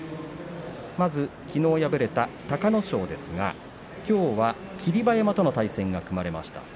きのう敗れた隆の勝ですがきょうは霧馬山との対戦が組まれました。